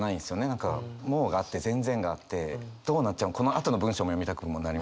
何か「もう」があって「全然」があってどうなっちゃうこのあとの文章も読みたくもなりますし。